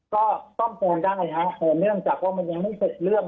ก็ข้อมูลได้นะแต่เนื่องจากว่ามันยังไม่เสร็จเรื่อง